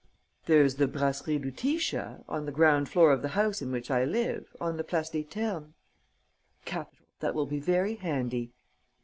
"There's the Brasserie Lutetia, on the ground floor of the house in which I live, on the Place des Ternes." "Capital. That will be very handy."